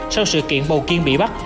sau sự kiện bầu kiên bị bắt